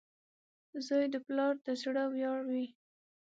• زوی د پلار د زړۀ ویاړ وي.